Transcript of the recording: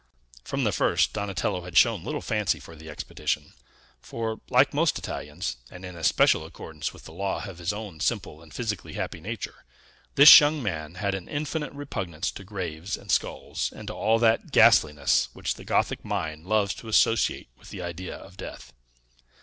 From the first, Donatello had shown little fancy for the expedition; for, like most Italians, and in especial accordance with the law of his own simple and physically happy nature, this young man had an infinite repugnance to graves and skulls, and to all that ghastliness which the Gothic mind loves to associate with the idea of death.